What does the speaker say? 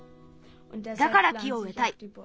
だから木をうえたい。